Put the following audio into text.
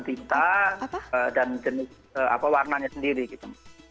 tita dan jenis warnanya sendiri gitu